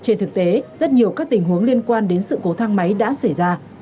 trên thực tế rất nhiều các tình huống liên quan đến sự cố thang máy đã xảy ra